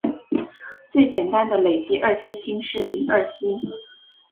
最简单的累积二烯烃是丙二烯。